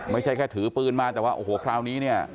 ไม่ใช่แค่ถือปืนมาแต่ว่าโอ้โหคราวนี้เนี่ย